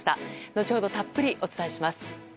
後ほど、たっぷりお伝えします。